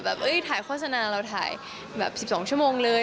ถ่ายโฆษณาเราถ่ายแบบ๑๒ชั่วโมงเลย